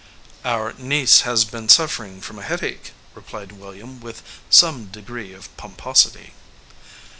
"Our niece has been suffering from a headache," replied William with some degree of pomposity.